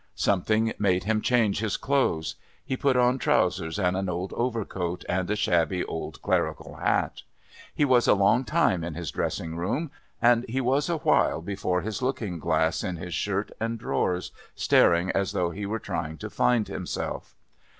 Something made him change his clothes. He put on trousers and an old overcoat and a shabby old clerical hat. He was a long time in his dressing room, and he was a while before his looking glass in his shirt and drawers, staring as though he were trying to find himself.